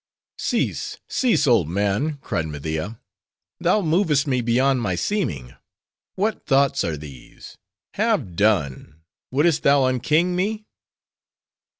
'" "Cease, cease, old man!" cried Media; "thou movest me beyond my seeming. What thoughts are these? Have done! Wouldst thou unking me?"